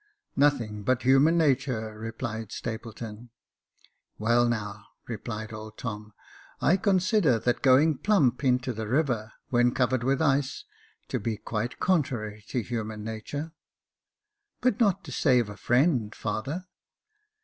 " Nothing but human natur," replied Stapleton. " Well, now," replied old Tom, " I consider that going plump into the river, when covered with ice, to be quite contrary to human natur." " But not to save a friend, father